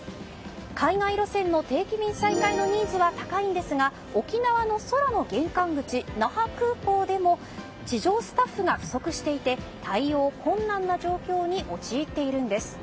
海外路線の定期便再開のニーズは高いんですが、沖縄の空の玄関口那覇空港でも地上スタッフが不足していて対応困難な状況に陥っているんです。